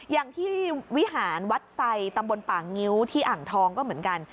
อย่างที่วิหารวัดไซตำบลป่างิ้วที่อ่างทองก็เหมือนกัน